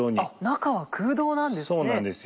中は空洞なんですね。